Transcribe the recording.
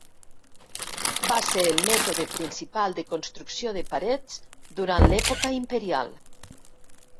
Va ser el mètode principal de construcció de parets durant l'època imperial.